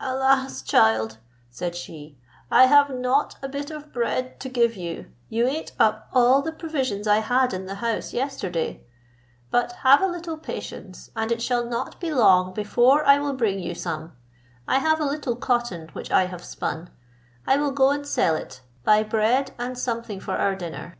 "Alas! child," said she, "I have not a bit of bread to give you, you ate up all the provisions I had in the house yesterday; but have a little patience, and it shall not be long before I will bring you some: I have a little cotton, which I have spun; I will go and sell it, buy bread, and something for our dinner."